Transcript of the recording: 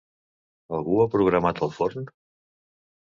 Algú ha programat el forn?